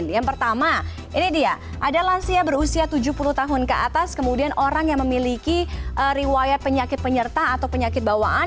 yang pertama ini dia ada lansia berusia tujuh puluh tahun ke atas kemudian orang yang memiliki riwayat penyakit penyerta atau penyakit bawaan